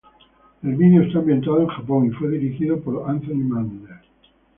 El video está ambientado en Japón y fue dirigido por Anthony Mandler.